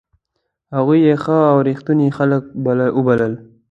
هغوی یې ښه او ریښتوني خلک وبلل.